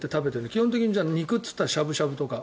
基本的に肉といったらしゃぶしゃぶとか。